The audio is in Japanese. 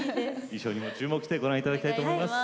衣装にも注目してご覧いただきたいと思います。